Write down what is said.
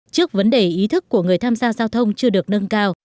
trước vấn đề ý thức của người tham gia giao thông chưa được nâng cao